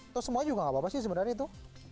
atau semua juga nggak apa apa sih sebenarnya itu